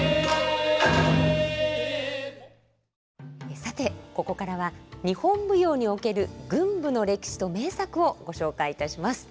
さてここからは日本舞踊における群舞の歴史と名作をご紹介いたします。